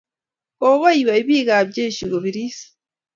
kokoiywei bik ab cheshi kobiris